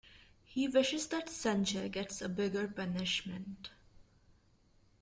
He wishes that Sanjay gets a bigger punishment.